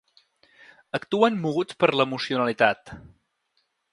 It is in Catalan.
Actuen moguts per l’emocionalitat.